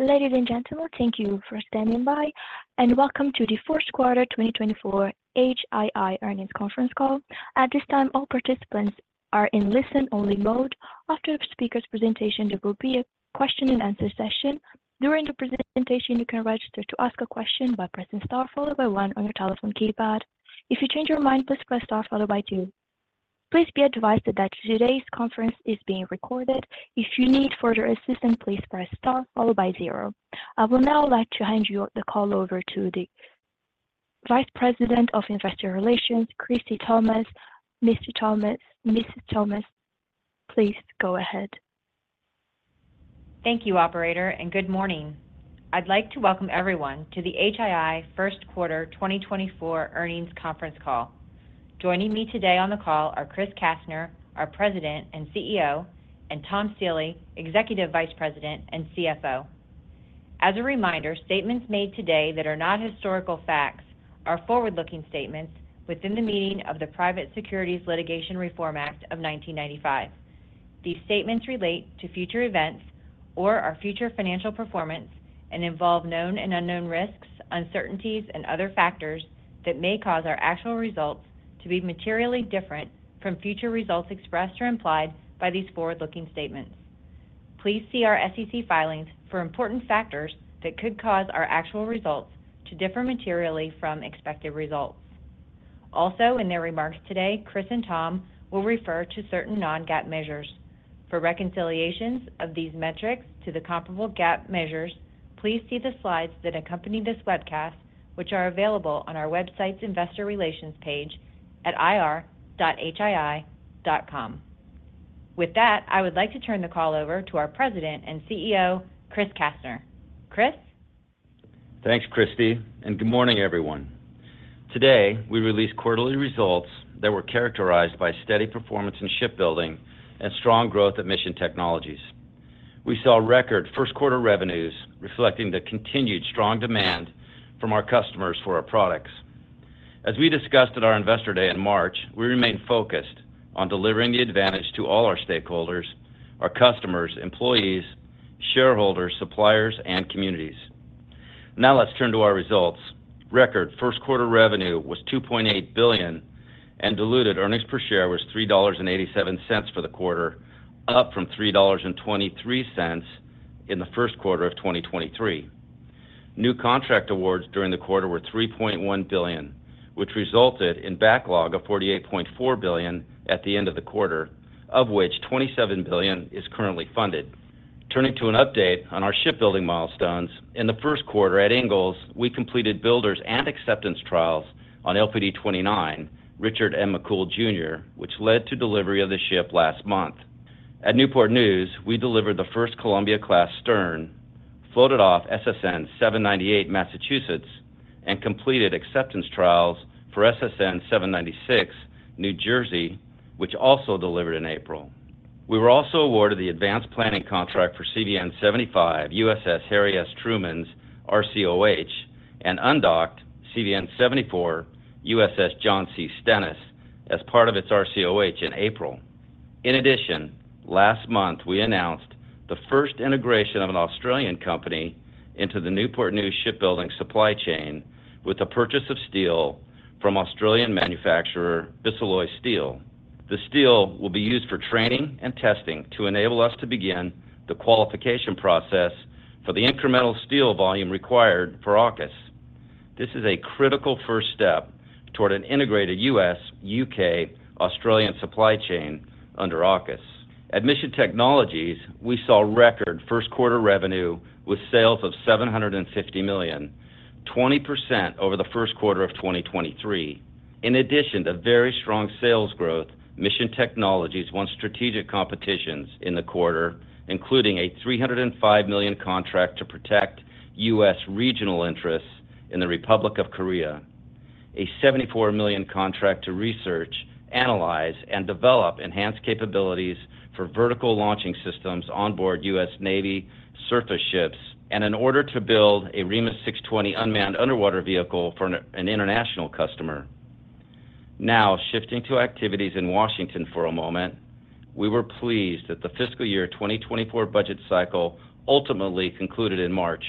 Ladies and gentlemen, thank you for standing by, and welcome to the fourth quarter 2024 HII Earnings Conference Call. At this time, all participants are in listen-only mode. After the speaker's presentation, there will be a question-and-answer session. During the presentation, you can register to ask a question by pressing star followed by one on your telephone keypad. If you change your mind, please press star followed by two. Please be advised that today's conference is being recorded. If you need further assistance, please press star followed by zero. I would now like to hand the call over to the Vice President of Investor Relations, Christie Thomas. Mr. Thomas - Mrs. Thomas, please go ahead. Thank you, operator, and good morning. I'd like to welcome everyone to the HII first quarter 2024 earnings conference call. Joining me today on the call are Chris Kastner, our President and CEO, and Tom Stiehle, Executive Vice President and CFO. As a reminder, statements made today that are not historical facts are forward-looking statements within the meaning of the Private Securities Litigation Reform Act of 1995. These statements relate to future events or our future financial performance and involve known and unknown risks, uncertainties, and other factors that may cause our actual results to be materially different from future results expressed or implied by these forward-looking statements. Please see our SEC filings for important factors that could cause our actual results to differ materially from expected results. Also, in their remarks today, Chris and Tom will refer to certain non-GAAP measures. For reconciliations of these metrics to the comparable GAAP measures, please see the slides that accompany this webcast, which are available on our website's Investor Relations page at ir.hii.com. With that, I would like to turn the call over to our President and CEO, Chris Kastner. Chris? Thanks, Christie, and good morning, everyone. Today, we released quarterly results that were characterized by steady performance in shipbuilding and strong growth at Mission Technologies. We saw record first quarter revenues, reflecting the continued strong demand from our customers for our products. As we discussed at our Investor Day in March, we remain focused on delivering the advantage to all our stakeholders, our customers, employees, shareholders, suppliers, and communities. Now let's turn to our results. Record first quarter revenue was $2.8 billion, and diluted earnings per share was $3.87 for the quarter, up from $3.23 in the first quarter of 2023. New contract awards during the quarter were $3.1 billion, which resulted in backlog of $48.4 billion at the end of the quarter, of which $27 billion is currently funded. Turning to an update on our shipbuilding milestones, in the first quarter at Ingalls, we completed builders and acceptance trials on LPD-29 Richard M. McCool Jr., which led to delivery of the ship last month. At Newport News, we delivered the first Columbia-class stern, floated off SSN-798 Massachusetts, and completed acceptance trials for SSN-796 New Jersey, which also delivered in April. We were also awarded the advanced planning contract for CVN-75 USS Harry S. Truman's RCOH, and undocked CVN-74 USS John C. Stennis, as part of its RCOH in April. In addition, last month, we announced the first integration of an Australian company into the Newport News Shipbuilding supply chain with the purchase of steel from Australian manufacturer Bisalloy Steel. The steel will be used for training and testing to enable us to begin the qualification process for the incremental steel volume required for AUKUS. This is a critical first step toward an integrated U.S., U.K., Australian supply chain under AUKUS. At Mission Technologies, we saw record first quarter revenue with sales of $750 million, 20% over the first quarter of 2023. In addition to very strong sales growth, Mission Technologies won strategic competitions in the quarter, including a $305 million contract to protect U.S. regional interests in the Republic of Korea, a $74 million contract to research, analyze, and develop enhanced capabilities for vertical launching systems on board U.S. Navy surface ships, and an order to build a REMUS 620 unmanned underwater vehicle for an international customer. Now, shifting to activities in Washington for a moment, we were pleased that the fiscal year 2024 budget cycle ultimately concluded in March.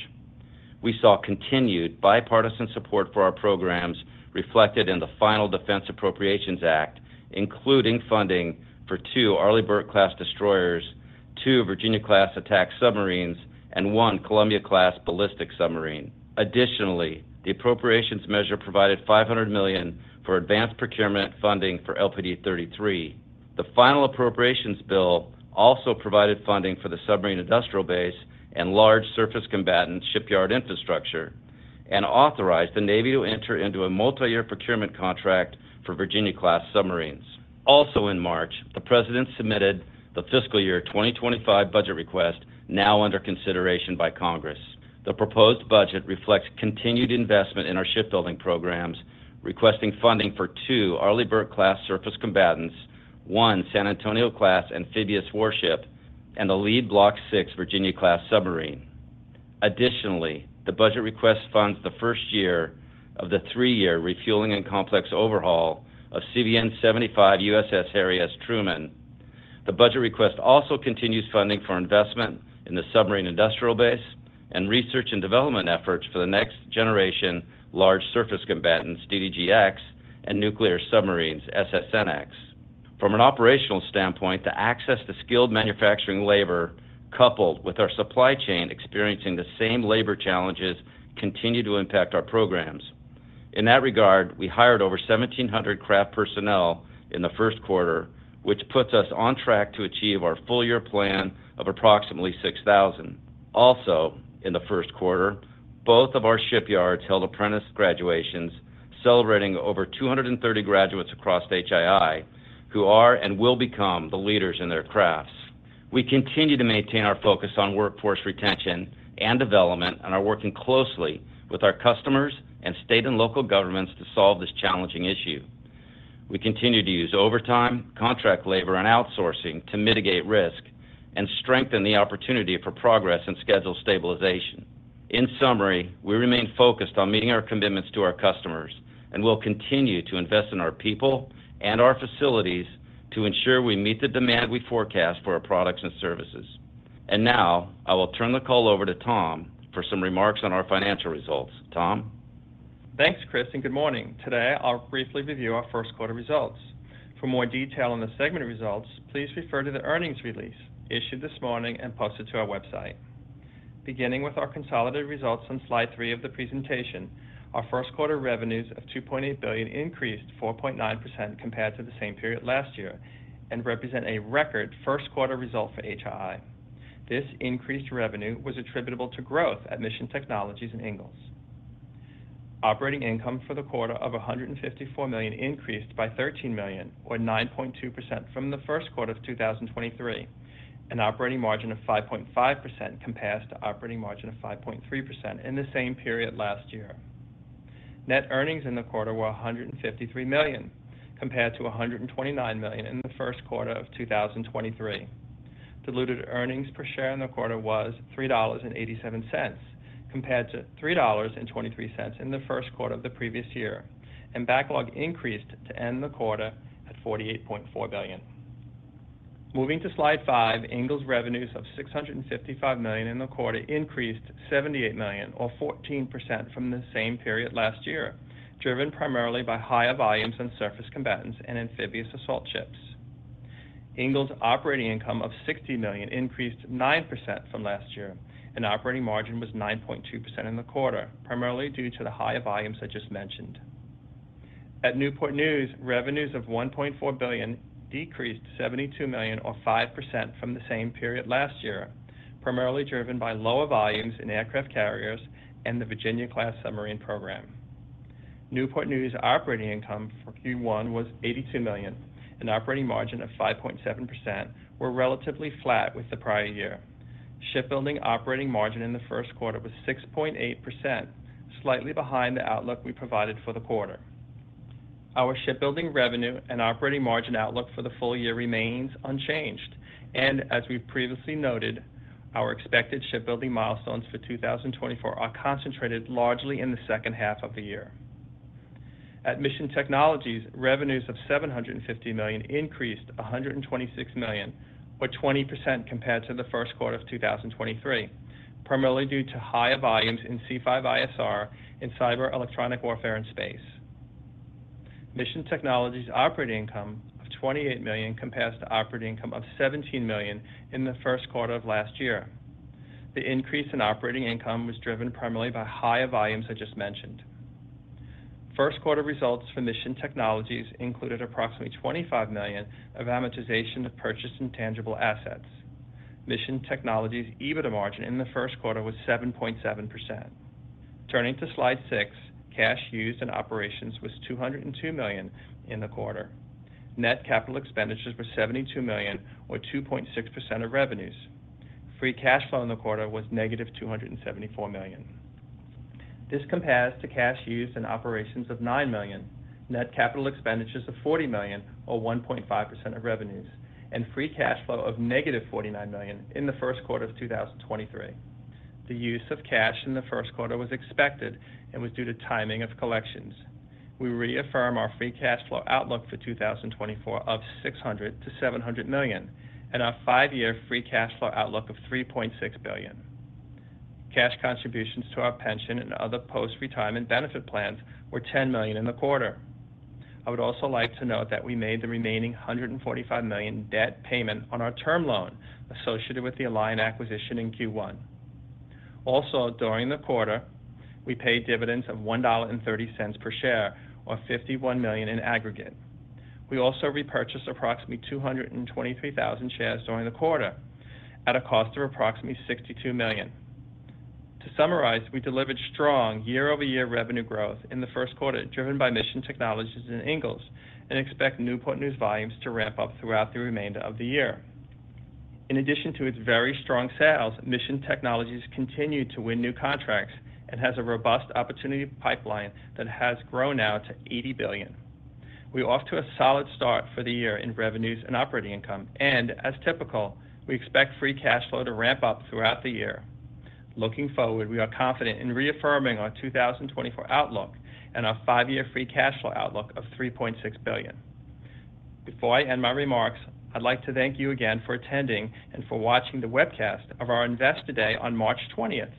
We saw continued bipartisan support for our programs, reflected in the final Defense Appropriations Act, including funding for two Arleigh Burke-class destroyers, two Virginia-class attack submarines, and one Columbia-class ballistic submarine. Additionally, the appropriations measure provided $500 million for advanced procurement funding for LPD-33. The final appropriations bill also provided funding for the submarine industrial base and large surface combatant shipyard infrastructure, and authorized the Navy to enter into a multiyear procurement contract for Virginia-class submarines. Also in March, the President submitted the fiscal year 2025 budget request, now under consideration by Congress. The proposed budget reflects continued investment in our shipbuilding programs, requesting funding for two Arleigh Burke-class surface combatants, one San Antonio-class amphibious warship, and a lead Block VI Virginia-class submarine. Additionally, the budget request funds the first year of the three-year refueling and complex overhaul of CVN-75 USS Harry S. Truman.... The budget request also continues funding for investment in the submarine industrial base and research and development efforts for the next generation large surface combatants, DDGX, and nuclear submarines, SSNX. From an operational standpoint, the access to skilled manufacturing labor, coupled with our supply chain experiencing the same labor challenges, continue to impact our programs. In that regard, we hired over 1,700 craft personnel in the first quarter, which puts us on track to achieve our full year plan of approximately 6,000. Also, in the first quarter, both of our shipyards held apprentice graduations, celebrating over 230 graduates across HII, who are and will become the leaders in their crafts. We continue to maintain our focus on workforce retention and development, and are working closely with our customers and state and local governments to solve this challenging issue. We continue to use overtime, contract labor, and outsourcing to mitigate risk and strengthen the opportunity for progress and schedule stabilization. In summary, we remain focused on meeting our commitments to our customers, and we'll continue to invest in our people and our facilities to ensure we meet the demand we forecast for our products and services. Now, I will turn the call over to Tom for some remarks on our financial results. Tom? Thanks, Chris, and good morning. Today, I'll briefly review our first quarter results. For more detail on the segment results, please refer to the earnings release issued this morning and posted to our website. Beginning with our consolidated results on slide 3 of the presentation, our first quarter revenues of $2.8 billion increased 4.9% compared to the same period last year and represent a record first quarter result for HII. This increased revenue was attributable to growth at Mission Technologies and Ingalls. Operating income for the quarter of $154 million increased by $13 million, or 9.2%, from the first quarter of 2023, an operating margin of 5.5% compared to operating margin of 5.3% in the same period last year. Net earnings in the quarter were $153 million, compared to $129 million in the first quarter of 2023. Diluted earnings per share in the quarter was $3.87, compared to $3.23 in the first quarter of the previous year, and backlog increased to end the quarter at $48.4 billion. Moving to Slide five, Ingalls' revenues of $655 million in the quarter increased $78 million, or 14% from the same period last year, driven primarily by higher volumes in surface combatants and amphibious assault ships. Ingalls' operating income of $60 million increased 9% from last year, and operating margin was 9.2% in the quarter, primarily due to the higher volumes I just mentioned. At Newport News, revenues of $1.4 billion decreased $72 million, or 5%, from the same period last year, primarily driven by lower volumes in aircraft carriers and the Virginia-class submarine program. Newport News' operating income for Q1 was $82 million, and operating margin of 5.7% were relatively flat with the prior year. Shipbuilding operating margin in the first quarter was 6.8%, slightly behind the outlook we provided for the quarter. Our shipbuilding revenue and operating margin outlook for the full year remains unchanged, and as we previously noted, our expected shipbuilding milestones for 2024 are concentrated largely in the second half of the year. At Mission Technologies, revenues of $750 million increased $126 million, or 20%, compared to the first quarter of 2023, primarily due to higher volumes in C5ISR, in cyber electronic warfare and space. Mission Technologies' operating income of $28 million compares to operating income of $17 million in the first quarter of last year. The increase in operating income was driven primarily by higher volumes, I just mentioned. First quarter results for Mission Technologies included approximately $25 million of amortization of purchased intangible assets. Mission Technologies' EBITDA margin in the first quarter was 7.7%. Turning to Slide 6, cash used in operations was $202 million in the quarter. Net capital expenditures were $72 million, or 2.6% of revenues. Free cash flow in the quarter was -$274 million. This compares to cash used in operations of $9 million, net capital expenditures of $40 million, or 1.5% of revenues, and free cash flow of -$49 million in the first quarter of 2023. The use of cash in the first quarter was expected and was due to timing of collections. We reaffirm our free cash flow outlook for 2024 of $600-$700 million, and our 5-year free cash flow outlook of $3.6 billion. Cash contributions to our pension and other post-retirement benefit plans were $10 million in the quarter. I would also like to note that we made the remaining $145 million debt payment on our term loan associated with the Alion acquisition in Q1. Also, during the quarter, we paid dividends of $1.30 per share or $51 million in aggregate. We also repurchased approximately 223,000 shares during the quarter at a cost of approximately $62 million. To summarize, we delivered strong year-over-year revenue growth in the first quarter, driven by Mission Technologies and Ingalls, and expect Newport News volumes to ramp up throughout the remainder of the year. In addition to its very strong sales, Mission Technologies continued to win new contracts and has a robust opportunity pipeline that has grown now to $80 billion. We are off to a solid start for the year in revenues and operating income, and as typical, we expect free cash flow to ramp up throughout the year.... Looking forward, we are confident in reaffirming our 2024 outlook and our five-year free cash flow outlook of $3.6 billion. Before I end my remarks, I'd like to thank you again for attending and for watching the webcast of our Investor Day on March 20th.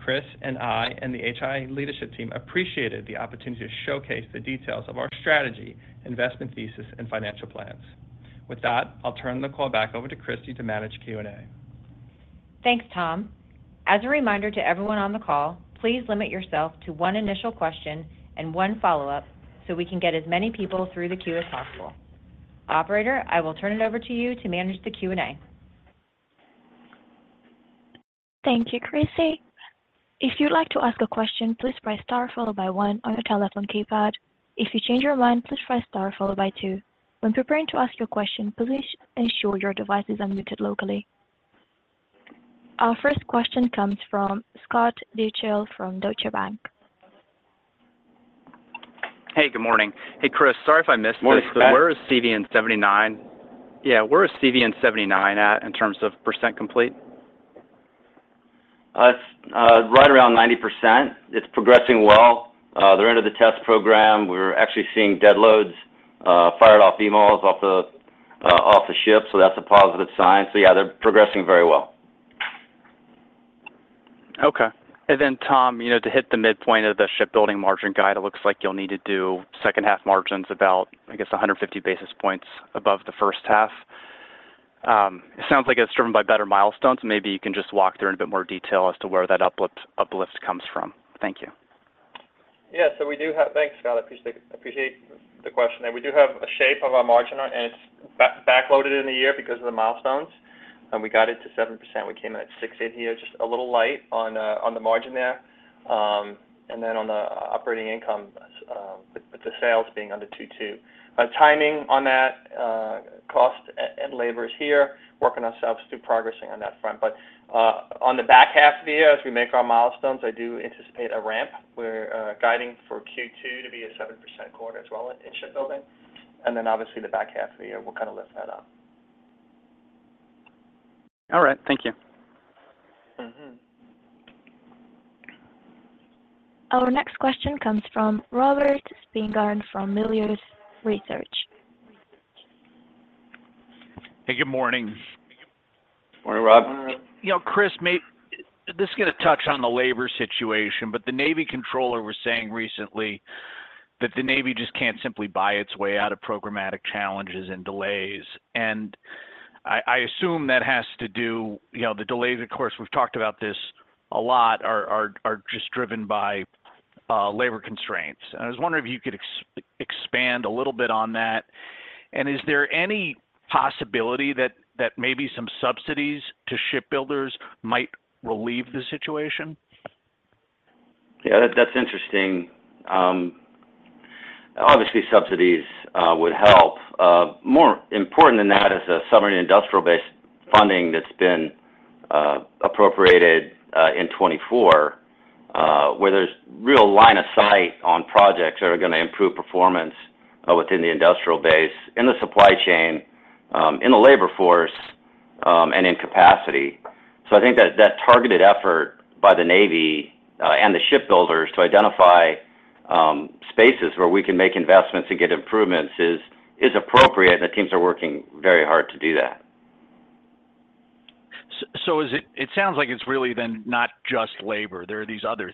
Chris and I, and the HII leadership team appreciated the opportunity to showcase the details of our strategy, investment thesis, and financial plans. With that, I'll turn the call back over to Christie to manage Q&A. Thanks, Tom. As a reminder to everyone on the call, please limit yourself to one initial question and one follow-up so we can get as many people through the queue as possible. Operator, I will turn it over to you to manage the Q&A. Thank you, Kristi. If you'd like to ask a question, please press star followed by one on your telephone keypad. If you change your mind, please press star followed by two. When preparing to ask your question, please ensure your device is unmuted locally. Our first question comes from Scott Deuschle from Deutsche Bank. Hey, good morning. Hey, Chris, sorry if I missed this- Morning, Scott. Where is CVN-79? Yeah, where is CVN-79 at in terms of percent complete? It's right around 90%. It's progressing well. They're into the test program. We're actually seeing dead loads fired off missiles off the ship, so that's a positive sign. So yeah, they're progressing very well. Okay. Then, Tom, you know, to hit the midpoint of the shipbuilding margin guide, it looks like you'll need to do second half margins about, I guess, 150 basis points above the first half. It sounds like it's driven by better milestones. Maybe you can just walk through in a bit more detail as to where that uplift comes from. Thank you. Yeah, so we do have. Thanks, Scott. I appreciate, appreciate the question. And we do have a shape of our margin, and it's backloaded in the year because of the milestones, and we got it to 7%. We came in at 6.8 year, just a little light on the margin there. And then on the operating income, with the sales being under $2.2. But timing on that, cost and labor is here, working ourselves through progressing on that front. But on the back half of the year, as we make our milestones, I do anticipate a ramp. We're guiding for Q2 to be a 7% quarter as well in shipbuilding. And then obviously the back half of the year, we'll kind of lift that up. All right. Thank you. Mm-hmm. Our next question comes from Robert Spingarn from Melius Research. Hey, good morning. Morning, Rob. You know, Chris, maybe this is gonna touch on the labor situation, but the Navy controller was saying recently that the Navy just can't simply buy its way out of programmatic challenges and delays. And I assume that has to do, you know, the delays, of course, we've talked about this a lot, are just driven by labor constraints. And I was wondering if you could expand a little bit on that. And is there any possibility that maybe some subsidies to shipbuilders might relieve the situation? Yeah, that, that's interesting. Obviously, subsidies would help. More important than that is a submarine industrial base funding that's been appropriated in 2024, where there's real line of sight on projects that are gonna improve performance within the industrial base, in the supply chain, in the labor force, and in capacity. So I think that targeted effort by the Navy and the shipbuilders to identify spaces where we can make investments to get improvements is appropriate, and the teams are working very hard to do that. So is it—it sounds like it's really then not just labor. There are these other,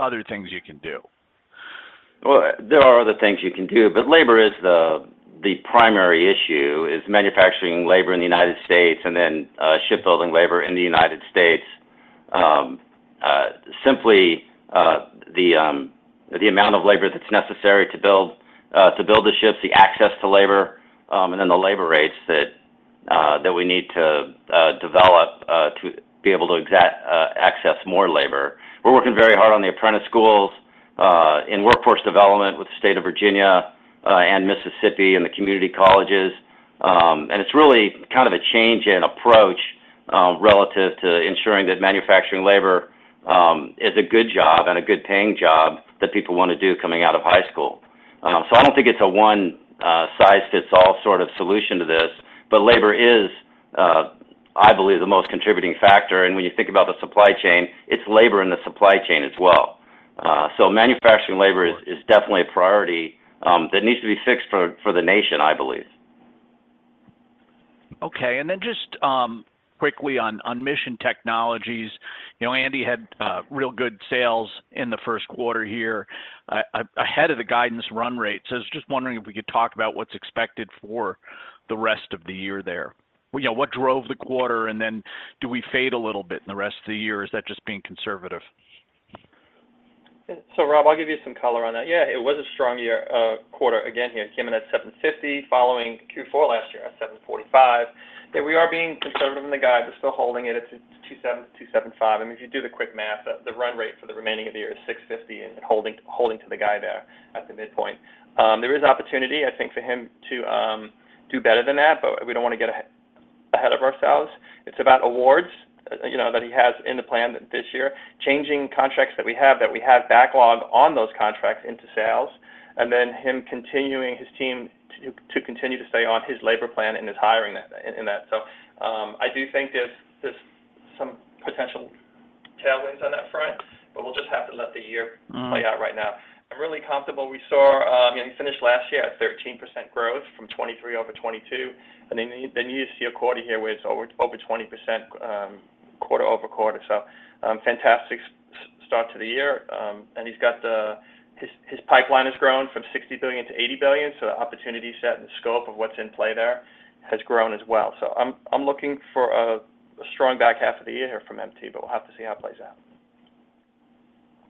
other things you can do. Well, there are other things you can do, but labor is the primary issue, is manufacturing labor in the United States and then shipbuilding labor in the United States. Simply, the amount of labor that's necessary to build the ships, the access to labor, and then the labor rates that we need to develop to be able to access more labor. We're working very hard on the apprentice schools in workforce development with the state of Virginia and Mississippi, and the community colleges. And it's really kind of a change in approach relative to ensuring that manufacturing labor is a good job and a good paying job that people wanna do coming out of high school. So I don't think it's a one size fits all sort of solution to this, but labor is, I believe, the most contributing factor. When you think about the supply chain, it's labor in the supply chain as well. So manufacturing labor is definitely a priority that needs to be fixed for the nation, I believe. Okay. And then just quickly on Mission Technologies. You know, Andy had real good sales in the first quarter here, ahead of the guidance run rate. So I was just wondering if we could talk about what's expected for the rest of the year there. You know, what drove the quarter, and then do we fade a little bit in the rest of the year, or is that just being conservative? So, Rob, I'll give you some color on that. Yeah, it was a strong quarter again, here. Came in at $750, following Q4 last year at $745. That we are being conservative in the guide, but still holding it at $2.7-$2.75. And if you do the quick math, the run rate for the remaining of the year is $650, and holding to the guide there at the midpoint. There is opportunity, I think, for him to do better than that, but we don't wanna get ahead of ourselves. It's about awards, you know, that he has in the plan this year. changing contracts that we have, that we have backlog on those contracts into sales, and then him continuing his team to continue to stay on his labor plan and is hiring that in that. So, I do think there's some potential tailwinds on that front, but we'll just have to let the year- Mm-hmm play out right now. I'm really comfortable. We saw, you know, he finished last year at 13% growth from 2023 over 2022, and then he- then you see a quarter here where it's over, over 20%, quarter-over-quarter. So, fantastic start to the year. And he's got his pipeline has grown from $60-$80 billion, so the opportunity set and the scope of what's in play there has grown as well. So I'm looking for a strong back half of the year here from MT, but we'll have to see how it plays out.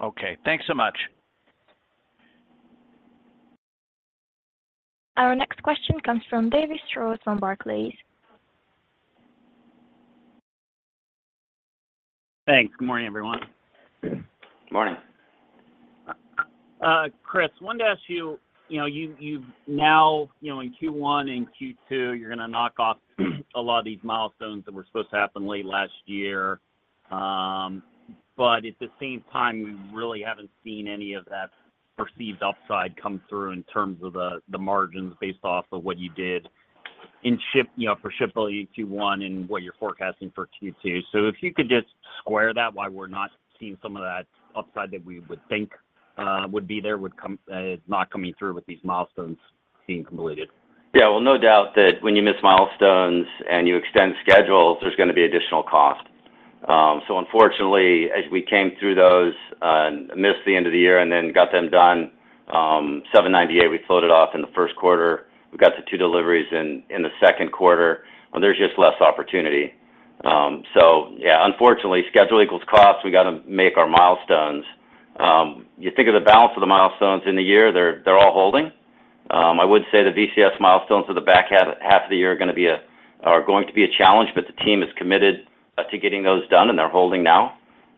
Okay, thanks so much. Our next question comes from David Strauss from Barclays. Thanks. Good morning, everyone. Good morning. Chris, wanted to ask you, you know, you've now, you know, in Q1 and Q2, you're gonna knock off a lot of these milestones that were supposed to happen late last year. But at the same time, we really haven't seen any of that perceived upside come through in terms of the margins based off of what you did in shipbuilding, you know, for shipbuilding Q1 and what you're forecasting for Q2. So if you could just square that, why we're not seeing some of that upside that we would think would be there, not coming through with these milestones being completed? Yeah, well, no doubt that when you miss milestones and you extend schedules, there's gonna be additional cost. So unfortunately, as we came through those and missed the end of the year and then got them done, 798, we floated off in the first quarter. We got the two deliveries in, in the second quarter, and there's just less opportunity. So yeah, unfortunately, schedule equals cost. We got to make our milestones. You think of the balance of the milestones in the year, they're, they're all holding. I would say the VCS milestones for the back half, half of the year are gonna be a, are going to be a challenge, but the team is committed to getting those done, and they're holding now.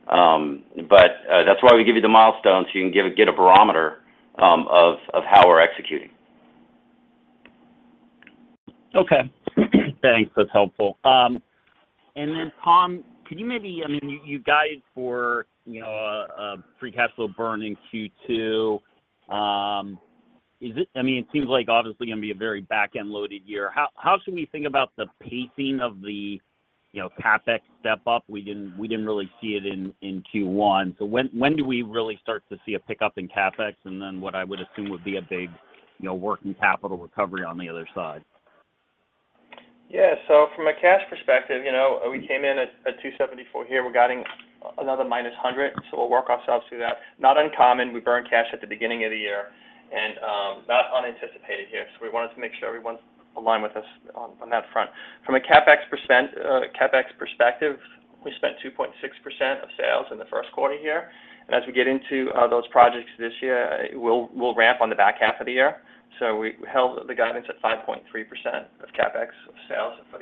But that's why we give you the milestones, so you can get a barometer of how we're executing. Okay. Thanks. That's helpful. And then, Tom, could you maybe—I mean, you guys for, you know, free cash flow burn in Q2, is it—I mean, it seems like obviously gonna be a very back-end loaded year. How should we think about the pacing of the, you know, CapEx step up? We didn't really see it in Q1. So when do we really start to see a pickup in CapEx, and then what I would assume would be a big, you know, working capital recovery on the other side? Yeah. So from a cash perspective, you know, we came in at $274 here. We're guiding another -$100, so we'll work ourselves through that. Not uncommon. We burn cash at the beginning of the year and not unanticipated here, so we wanted to make sure everyone's aligned with us on that front. From a CapEx percent, CapEx perspective, we spent 2.6% of sales in the first quarter here. And as we get into those projects this year, we'll ramp on the back half of the year. So we held the guidance at 5.3% of CapEx of sales for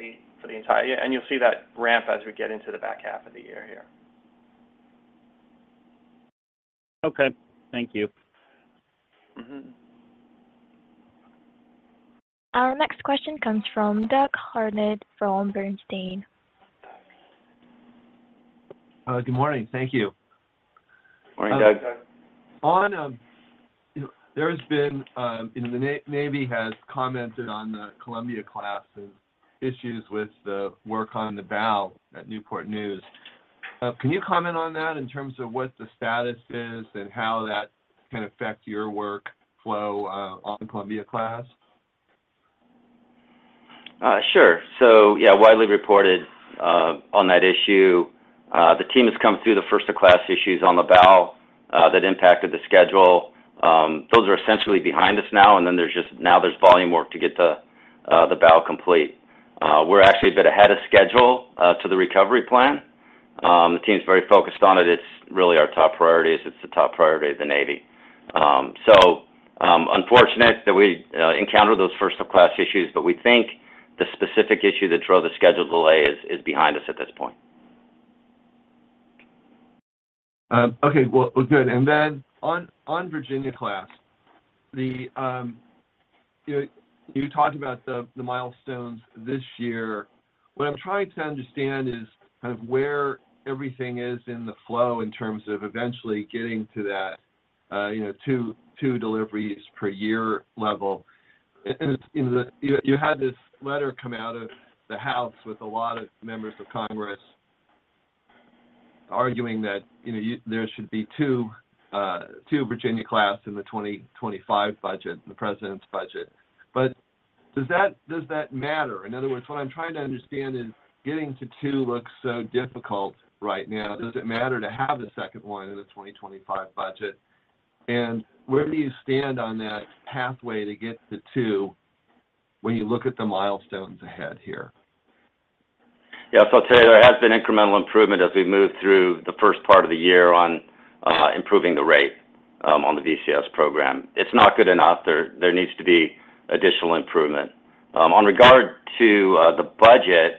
the entire year, and you'll see that ramp as we get into the back half of the year here. Okay. Thank you. Mm-hmm. Our next question comes from Doug Harned, from Bernstein. Good morning. Thank you. Morning, Doug. You know, there's been, you know, the Navy has commented on the Columbia class's issues with the work on the bow at Newport News. Can you comment on that in terms of what the status is and how that can affect your workflow on Columbia class? Sure. So, yeah, widely reported on that issue. The team has come through the first of class issues on the bow that impacted the schedule. Those are essentially behind us now, and then there's just now there's volume work to get the bow complete. We're actually a bit ahead of schedule to the recovery plan. The team's very focused on it. It's really our top priority. It's the top priority of the Navy. So, unfortunate that we encountered those first of class issues, but we think the specific issue that drove the schedule delay is behind us at this point. Okay. Well, good. And then on Virginia class, you talked about the milestones this year. What I'm trying to understand is kind of where everything is in the flow in terms of eventually getting to that, you know, two deliveries per year level. And you had this letter come out of the House with a lot of members of Congress arguing that, you know, you—there should be two Virginia class in the 2025 budget, the president's budget. But does that matter? In other words, what I'm trying to understand is getting to two looks so difficult right now. Does it matter to have a second one in the 2025 budget? And where do you stand on that pathway to get to two when you look at the milestones ahead here? Yes, so I'll tell you, there has been incremental improvement as we've moved through the first part of the year on improving the rate on the VCS program. It's not good enough. There needs to be additional improvement. On regard to the budget,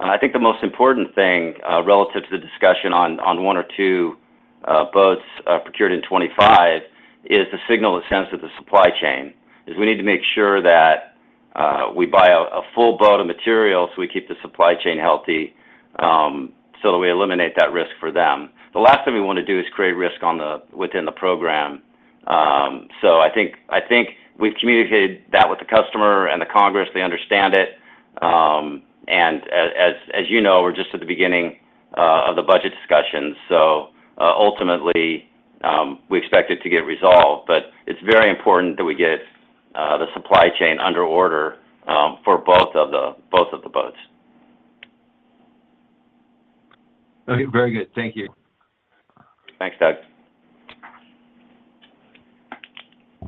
I think the most important thing relative to the discussion on one or two boats procured in 2025 is to signal a sense of the supply chain, 'cause we need to make sure that we buy a full boat of materials, we keep the supply chain healthy, so that we eliminate that risk for them. The last thing we wanna do is create risk within the program. So I think we've communicated that with the customer and the Congress. They understand it. And as you know, we're just at the beginning of the budget discussions, so ultimately, we expect it to get resolved, but it's very important that we get the supply chain under order for both of the boats. Okay, very good. Thank you. Thanks, Doug.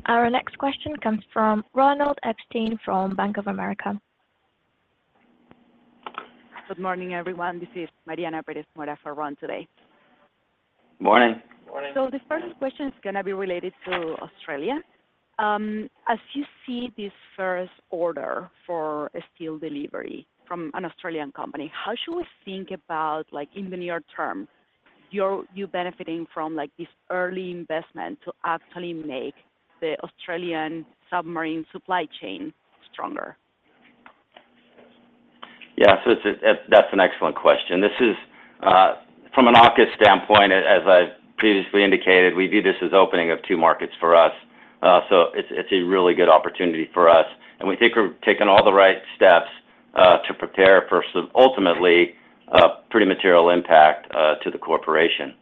Our next question comes from Ronald Epstein from Bank of America. Good morning, everyone. This is Mariana Perez Mora for Ron today. Morning. Morning. The first question is gonna be related to Australia. As you see this first order for a steel delivery from an Australian company, how should we think about, like, in the near term, you benefiting from, like, this early investment to actually make the Australian submarine supply chain stronger? Yeah, so it's, that's an excellent question. This is, from an AUKUS standpoint, as I've previously indicated, we view this as opening of two markets for us. So it's, it's a really good opportunity for us, and we think we've taken all the right steps, to prepare for some ultimately, pretty material impact, to the corporation.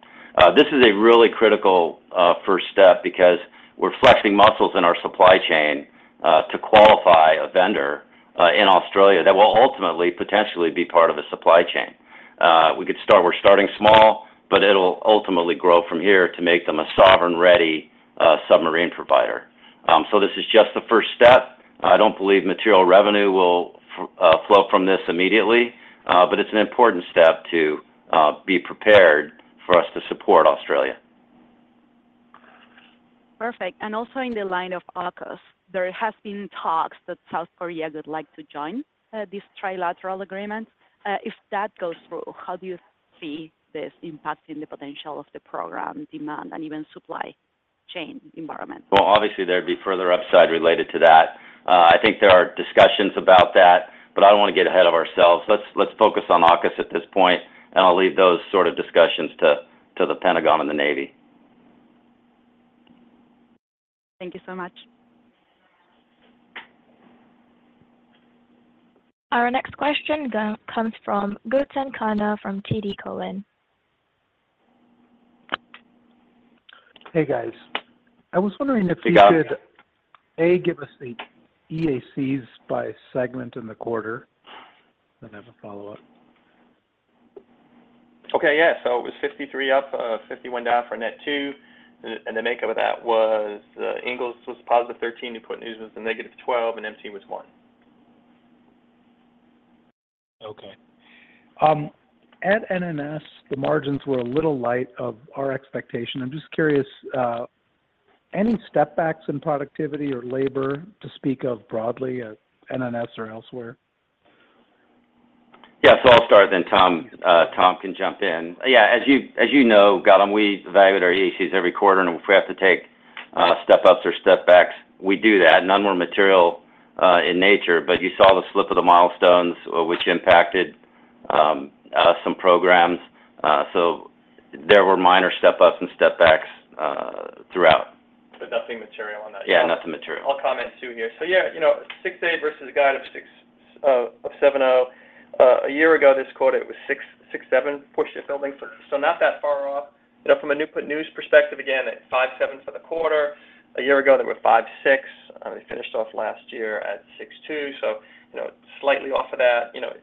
This is a really critical, first step because we're flexing muscles in our supply chain, to qualify a vendor, in Australia that will ultimately, potentially be part of a supply chain. We're starting small, but it'll ultimately grow from here to make them a sovereign, ready, submarine provider. So this is just the first step. I don't believe material revenue will flow from this immediately, but it's an important step to be prepared for us to support Australia. Perfect. And also in the line of AUKUS, there has been talks that South Korea would like to join, this trilateral agreement. If that goes through, how do you see this impacting the potential of the program, demand, and even supply chain environment? Well, obviously, there'd be further upside related to that. I think there are discussions about that, but I don't wanna get ahead of ourselves. Let's, let's focus on AUKUS at this point, and I'll leave those sort of discussions to, to the Pentagon and the Navy. Thank you so much. Our next question comes from Gautam Khanna from TD Cowen. Hey, guys. I was wondering if- Hey, Gautam... you could, a, give us the EACs by segment in the quarter. Then I have a follow-up. Okay, yeah. So it was 53 up, 51 down for net two, and the makeup of that was, Ingalls was positive 13, Newport News was a negative 12, and MT was 1. Okay. At NNS, the margins were a little light of our expectations. I'm just curious, any setbacks in productivity or labor to speak of broadly at NNS or elsewhere? Yeah, so I'll start then, Tom. Tom can jump in. Yeah, as you, as you know, Gautam, we evaluate our EACs every quarter, and if we have to take step-ups or step-backs, we do that. None were material in nature, but you saw the slip of the milestones which impacted some programs. So there were minor step-ups and step-backs throughout. But nothing material on that? Yeah, nothing material. I'll comment too here. So, yeah, you know, 6 vs. a guide of 6 to 7.0. A year ago, this quarter, it was 6, 6.7 pushed the building, so, so not that far off. You know, from a Newport News perspective, again, at 5.7 for the quarter. A year ago, there were 5.6, and we finished off last year at 6.2, so, you know, slightly off of that. You know,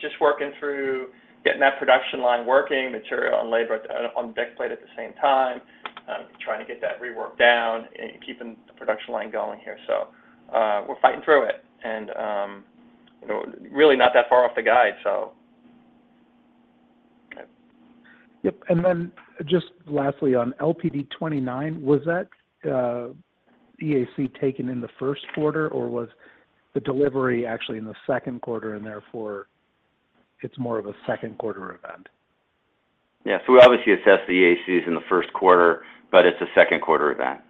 just working through getting that production line working, material and labor on deck plate at the same time, trying to get that rework down and keeping the production line going here. So, we're fighting through it, and, you know, really not that far off the guide, so... Okay. Yep, and then just lastly, on LPD-29, was that EAC taken in the first quarter, or was the delivery actually in the second quarter, and therefore, it's more of a second quarter event? Yeah. So we obviously assessed the EACs in the first quarter, but it's a second quarter event,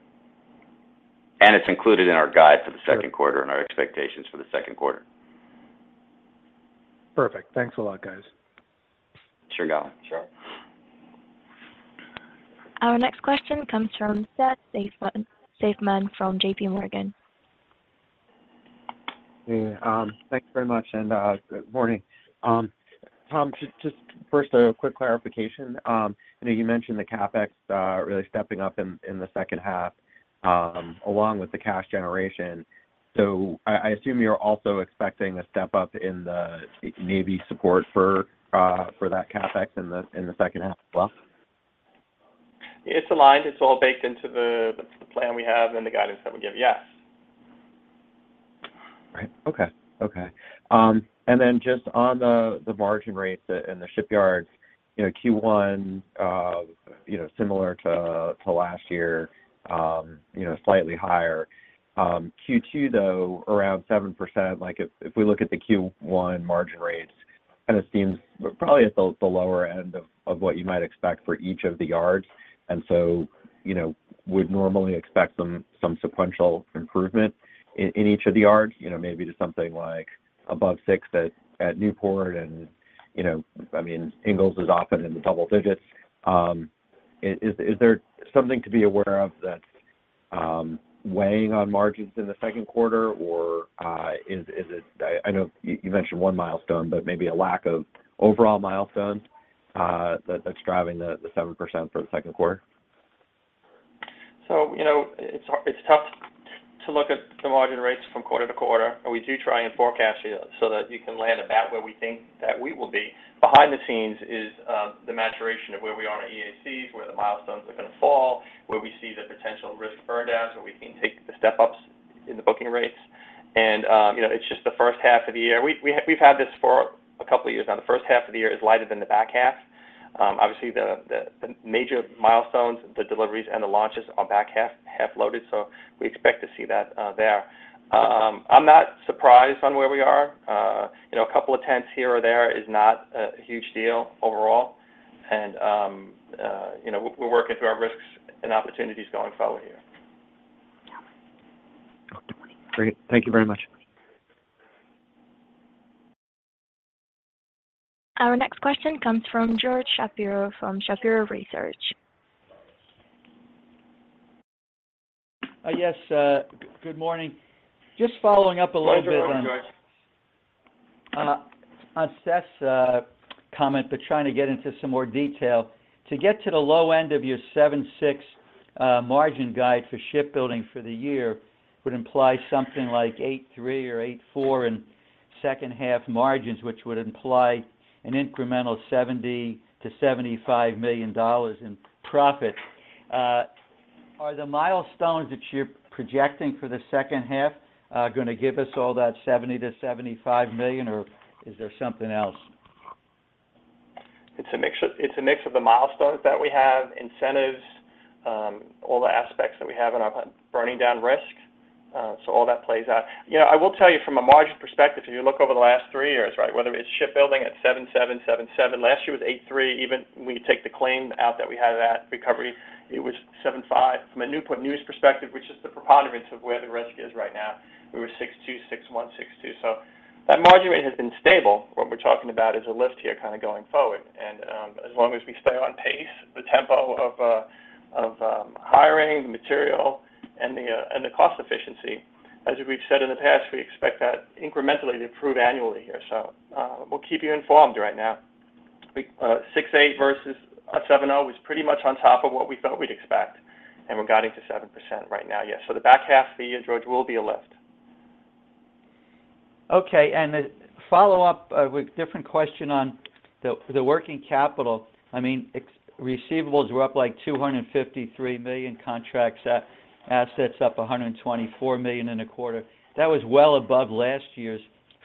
and it's included in our guide for the second quarter and our expectations for the second quarter. Perfect. Thanks a lot, guys. Sure, Gautam. Sure. Our next question comes from Seth Seifman, Seifman from JP Morgan. Hey, thanks very much, and good morning. Tom, just first, a quick clarification. I know you mentioned the CapEx really stepping up in the second half, along with the cash generation. So I assume you're also expecting a step up in the Navy support for that CapEx in the second half as well? It's aligned. It's all baked into the plan we have and the guidance that we give, yes. Right. Okay. Okay. And then just on the, the margin rates in the shipyards, you know, Q1, you know, similar to, to last year, you know, slightly higher. Q2, though, around 7%, like if, if we look at the Q1 margin rate-... kind of seems but probably at the lower end of what you might expect for each of the yards. And so, you know, we'd normally expect some sequential improvement in each of the yards, you know, maybe to something like above six at Newport. And, you know, I mean, Ingalls is often in the double digits. Is there something to be aware of that weighing on margins in the second quarter, or is it—I know you mentioned one milestone, but maybe a lack of overall milestones that that's driving the 7% for the second quarter? So, you know, it's hard, it's tough to look at the margin rates from quarter to quarter, but we do try and forecast you so that you can land about where we think that we will be. Behind the scenes is the maturation of where we are on EACs, where the milestones are gonna fall, where we see the potential risk burn down, so we can take the step-ups in the booking rates. And, you know, it's just the first half of the year. We've had this for a couple of years now. The first half of the year is lighter than the back half. Obviously, the major milestones, the deliveries, and the launches are back half, half loaded, so we expect to see that there. I'm not surprised on where we are. You know, a couple of tenths here or there is not a huge deal overall. You know, we're working through our risks and opportunities going forward here. Great. Thank you very much. Our next question comes from George Shapiro from Shapiro Research. Yes, good morning. Just following up a little bit on- Good morning, George. On Seth's comment, but trying to get into some more detail. To get to the low end of your 7.6% margin guide for shipbuilding for the year would imply something like 8.3% or 8.4% in second-half margins, which would imply an incremental $70-$75 million in profit. Are the milestones that you're projecting for the second half gonna give us all that $70-$75 million, or is there something else? It's a mixture. It's a mix of the milestones that we have, incentives, all the aspects that we have in our burning down risk. So all that plays out. You know, I will tell you from a margin perspective, if you look over the last three years, right? Whether it's shipbuilding at 7.7%, 7.7%. Last year was 8.3%. Even when you take the claim out that we had of that recovery, it was 7.5%. From a Newport News perspective, which is the preponderance of where the risk is right now, we were 6.2%, 6.1%, 6.2%. So that margin rate has been stable. What we're talking about is a lift here kind of going forward. As long as we stay on pace, the tempo of hiring, material, and the cost efficiency, as we've said in the past, we expect that incrementally to improve annually here. So, we'll keep you informed right now. We, 6.8 versus a 7.0 was pretty much on top of what we thought we'd expect and we're guiding to 7% right now. Yes. So the back half of the year, George, will be a lift. Okay, and a follow-up with different question on the working capital. I mean, receivables were up, like, $253 million contract assets up $124 million in a quarter. That was well above last year's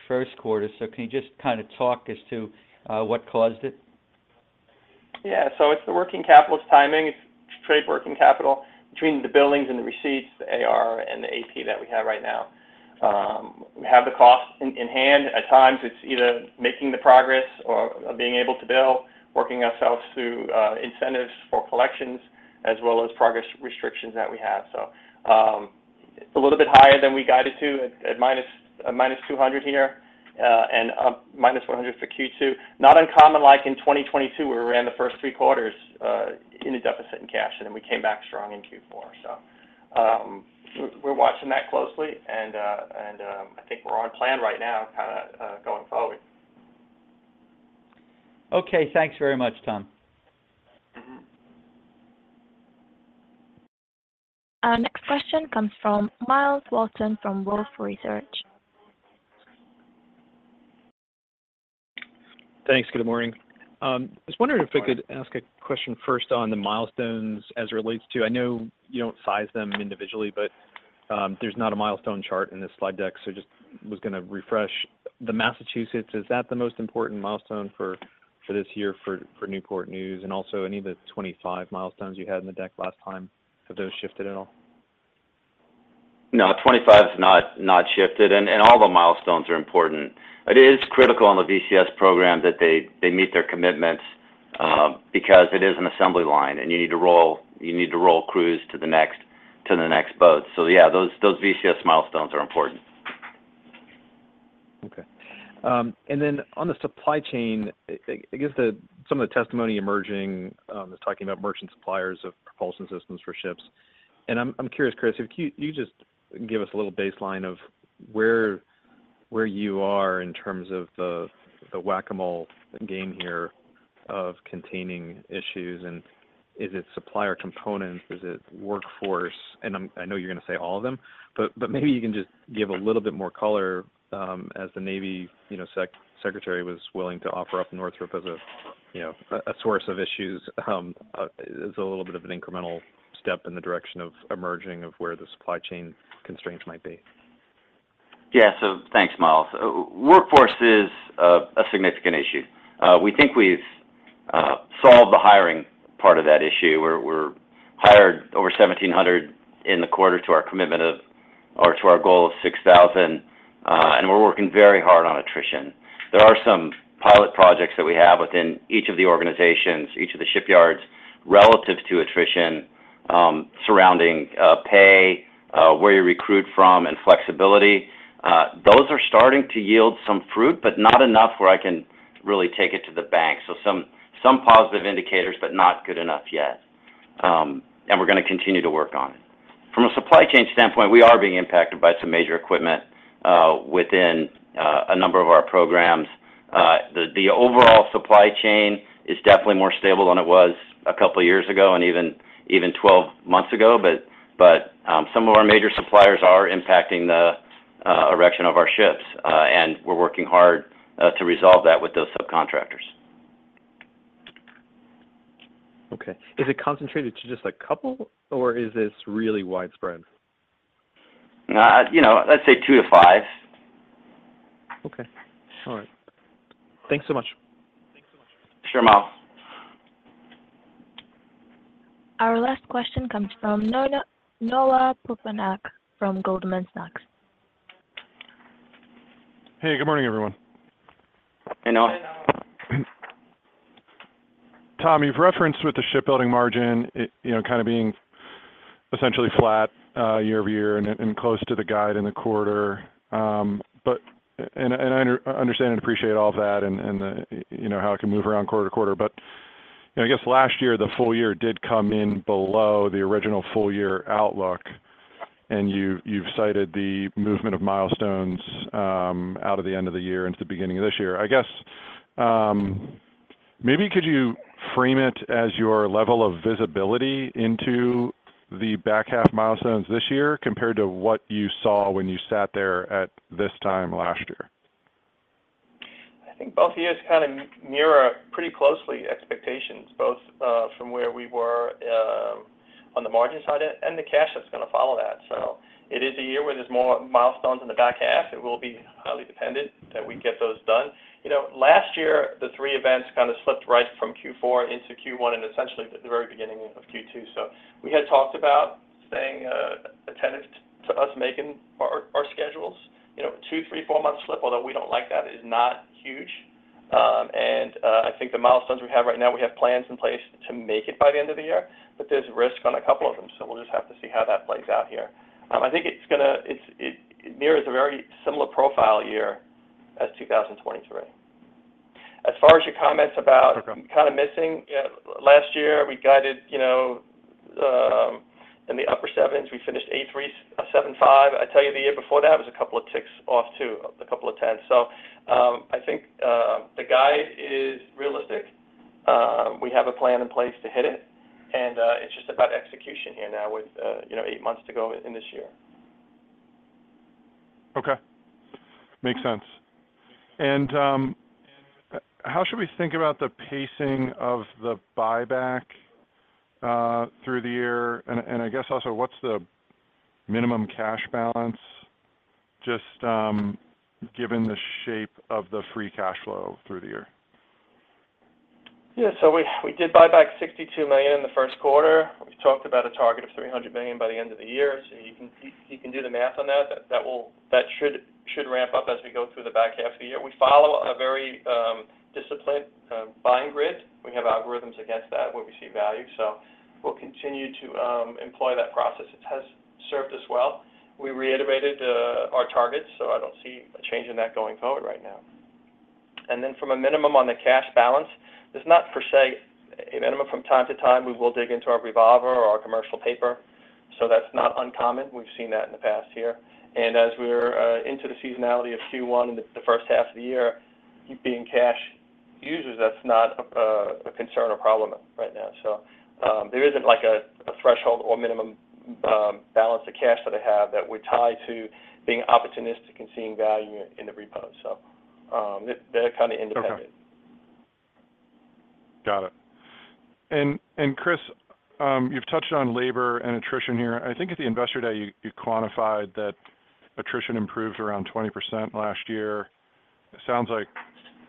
first quarter. So can you just kind of talk as to what caused it? Yeah. So it's the working capital, it's timing, it's trade working capital between the billings and the receipts, the AR and the AP that we have right now. We have the cost in hand. At times, it's either making the progress or being able to bill, working ourselves through incentives for collections, as well as progress restrictions that we have. So, it's a little bit higher than we guided to at -$200 here, and -$100 for Q2. Not uncommon, like in 2022, where we ran the first three quarters in a deficit in cash, and then we came back strong in Q4. So, we're watching that closely, and I think we're on plan right now, kind of going forward. Okay. Thanks very much, Tom. Mm-hmm. Our next question comes from Myles Walton from Wolfe Research. Thanks. Good morning. I was wondering- Hi, Miles... if I could ask a question first on the milestones as it relates to... I know you don't size them individually, but, there's not a milestone chart in this slide deck, so just was gonna refresh. The Massachusetts, is that the most important milestone for this year for Newport News? And also any of the 25 milestones you had in the deck last time, have those shifted at all? No, 25's not shifted, and all the milestones are important. It is critical on the VCS program that they meet their commitments, because it is an assembly line, and you need to roll crews to the next boat. So yeah, those VCS milestones are important. Okay. And then on the supply chain, I guess some of the testimony emerging is talking about merchant suppliers of propulsion systems for ships. And I'm curious, Chris, if you just give us a little baseline of where you are in terms of the whack-a-mole game here of containing issues, and is it supplier components? Is it workforce? And I know you're gonna say all of them, but maybe you can just give a little bit more color, as the Navy, you know, secretary was willing to offer up Northrop as a, you know, a source of issues, as a little bit of an incremental step in the direction of emerging of where the supply chain constraints might be. Yeah. So thanks, Myles. Workforce is a significant issue. We think we've hiring part of that issue. We're, we're hired over 1,700 in the quarter to our commitment of, or to our goal of 6,000, and we're working very hard on attrition. There are some pilot projects that we have within each of the organizations, each of the shipyards, relative to attrition, surrounding pay, where you recruit from, and flexibility. Those are starting to yield some fruit, but not enough where I can really take it to the bank. So some, some positive indicators, but not good enough yet. And we're gonna continue to work on it. From a supply chain standpoint, we are being impacted by some major equipment within a number of our programs. The overall supply chain is definitely more stable than it was a couple of years ago and even 12 months ago, but some of our major suppliers are impacting the erection of our ships, and we're working hard to resolve that with those subcontractors. Okay. Is it concentrated to just a couple, or is this really widespread? You know, let's say 2-5. Okay. All right. Thanks so much. Sure, Myles. Our last question comes from Noah Poponak from Goldman Sachs. Hey, good morning, everyone. Hey, Noah. Tom, you've referenced with the shipbuilding margin, it, you know, kind of being essentially flat year-over-year and close to the guide in the quarter. But, and I understand and appreciate all of that, and the, you know, how it can move around quarter-to-quarter. But, you know, I guess last year, the full year did come in below the original full year outlook, and you've cited the movement of milestones out of the end of the year into the beginning of this year. I guess, maybe could you frame it as your level of visibility into the back half milestones this year compared to what you saw when you sat there at this time last year? I think both years kind of mirror pretty closely expectations, both, from where we were, on the margin side and the cash that's gonna follow that. So it is a year where there's more milestones in the back half. It will be highly dependent that we get those done. You know, last year, the 3 events kind of slipped right from Q4 into Q1 and essentially the very beginning of Q2. So we had talked about staying attentive to us making our schedules. You know, 2, 3, 4 months slip, although we don't like that, is not huge. And I think the milestones we have right now, we have plans in place to make it by the end of the year, but there's risk on a couple of them, so we'll just have to see how that plays out here. I think it's gonna mirror a very similar profile year as 2023. As far as your comments about- Okay... kind of missing, last year, we guided, you know, in the upper 70s. We finished 83, 75. I tell you, the year before that, it was a couple of ticks off, too, a couple of 10s. So, I think the guide is realistic. We have a plan in place to hit it, and it's just about execution here now with, you know, 8 months to go in this year. Okay. Makes sense. And how should we think about the pacing of the buyback through the year? And I guess also, what's the minimum cash balance, just given the shape of the free cash flow through the year? Yeah, so we did buy back $62 million in the first quarter. We've talked about a target of $300 million by the end of the year. So you can do the math on that. That will... That should ramp up as we go through the back half of the year. We follow a very disciplined buying grid. We have algorithms against that where we see value, so we'll continue to employ that process. It has served us well. We reiterate our targets, so I don't see a change in that going forward right now. And then from a minimum on the cash balance, there's not per se a minimum. From time to time, we will dig into our revolver or our commercial paper, so that's not uncommon. We've seen that in the past year. As we're into the seasonality of Q1, the first half of the year, being cash users, that's not a concern or problem right now. So, there isn't like a threshold or minimum balance of cash that I have that we tie to being opportunistic and seeing value in the repo. So, they're kind of independent. Okay. Got it. And Chris, you've touched on labor and attrition here. I think at the investor day, you quantified that attrition improved around 20% last year. It sounds like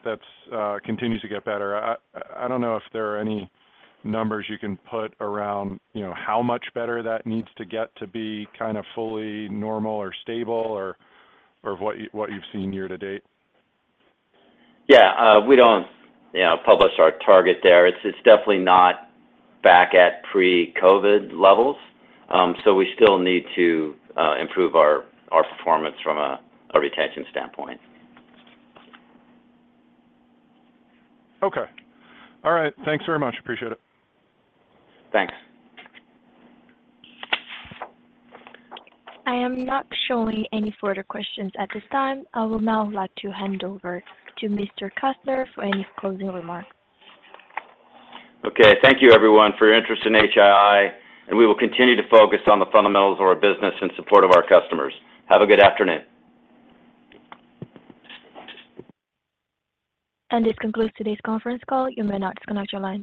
that's continues to get better. I don't know if there are any numbers you can put around, you know, how much better that needs to get to be kind of fully normal or stable or what you've seen year to date. Yeah, we don't, you know, publish our target there. It's, it's definitely not back at pre-COVID levels, so we still need to improve our, our performance from a, a retention standpoint. Okay. All right. Thanks very much. Appreciate it. Thanks. I am not showing any further questions at this time. I will now like to hand over to Mr. Kastner for any closing remarks. Okay, thank you everyone for your interest in HII, and we will continue to focus on the fundamentals of our business in support of our customers. Have a good afternoon. This concludes today's conference call. You may now disconnect your lines.